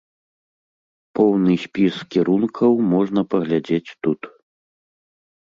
Поўны спіс кірункаў можна паглядзець тут.